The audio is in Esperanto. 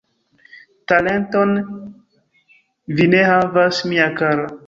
Talenton vi ne havas, mia kara!